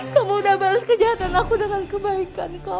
kamu udah bales kejahatan aku deng kebaikan kamu